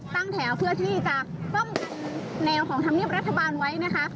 ตั้งแถวเพื่อที่จะป้อมแนวของธรรมเนียบรัฐบาลไว้นะคะ